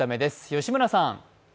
吉村さん。